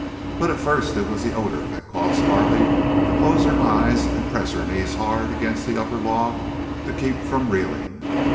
But at first it was the odor that caused Carley to close her eyes and press her knees hard against the upper log to keep from reeling.